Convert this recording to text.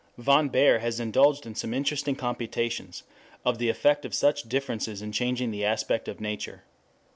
Von Baer has indulged in some interesting computations of the effect of such differences in changing the aspect of Nature.